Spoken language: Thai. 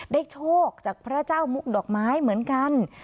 โชคจากพระเจ้ามุกดอกไม้เหมือนกัน